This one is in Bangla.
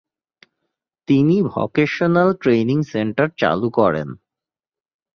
তিনি ভকেশনাল ট্রেনিং সেন্টার চালু করেন।